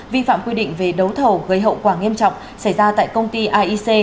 vi phạm quy định về đấu thầu gây hậu quả nghiêm trọng xảy ra tại công ty aic